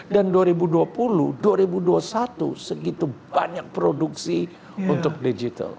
dan dua ribu dua puluh dua ribu dua puluh satu segitu banyak produksi untuk digital